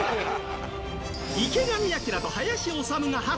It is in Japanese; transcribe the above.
池上彰と林修が初共演！